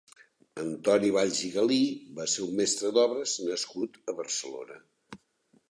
Antoni Valls i Galí va ser un mestre d'obres nascut a Barcelona.